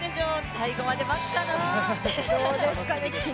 最後まで待つかな。